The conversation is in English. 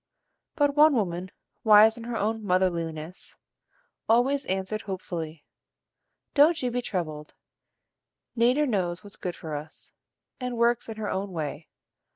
But one woman wise in her own motherliness always answered hopefully: "Don't you be troubled; Nater knows what's good for us, and works in her own way.